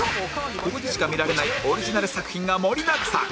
ここでしか見られないオリジナル作品が盛りだくさん